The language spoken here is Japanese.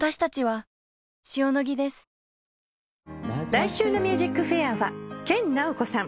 来週の『ＭＵＳＩＣＦＡＩＲ』は研ナオコさん。